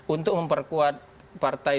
untuk memperkuat partai